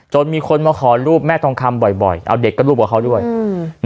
มีคนมาขอรูปแม่ทองคำบ่อยบ่อยเอาเด็กก็รูปกับเขาด้วยอืม